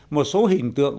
một số hình tượng